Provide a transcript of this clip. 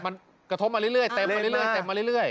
มันกระทบมาเรื่อยเต็มมาเรื่อย